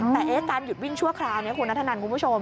แต่การหยุดวิ่งชั่วคราวนี้คุณนัทธนันคุณผู้ชม